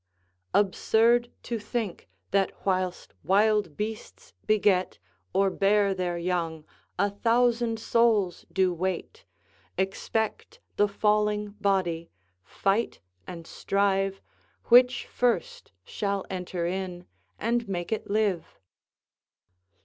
"Absurd to think that whilst wild beasts beget, Or bear their young, a thousand souls do wait, Expect the falling body, fight and strive Which first shall enter in and make it live."